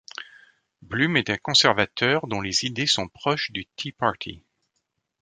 Blum est un conservateur dont les idées sont proches du Tea Party.